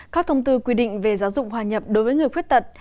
các thông tư quy định về giáo dục hòa nhập đối với người khuyết tật